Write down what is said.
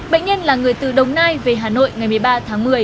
bệnh nhân là người từ đồng nai về hà nội ngày một mươi ba tháng một mươi